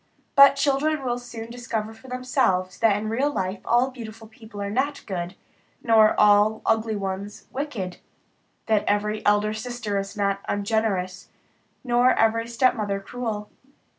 But children will soon discover for themselves that in real life all beautiful people are not good, nor all ugly ones wicked; that every elder sister is not ungenerous, nor every stepmother cruel.